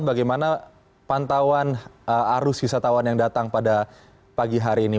bagaimana pantauan arus wisatawan yang datang pada pagi hari ini